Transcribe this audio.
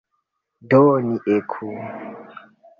Do, ni eku!